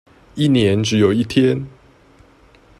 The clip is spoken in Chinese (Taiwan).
一年只有一天